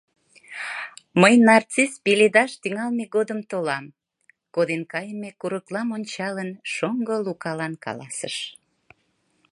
— Мый нарцисс пеледаш тӱҥалме годым толам, — коден кайыме курыклам ончалын, шоҥго Лукалан каласыш.